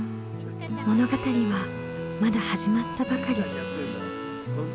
物語はまだ始まったばかり。